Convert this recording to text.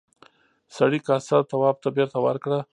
سړي کاسه تواب ته بېرته ورکړه.